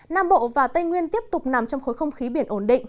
nam bộ và tây nguyên tiếp tục nằm trong khối không khí biển ổn định